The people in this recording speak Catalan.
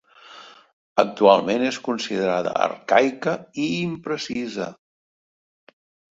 Actualment és considerada arcaica i imprecisa.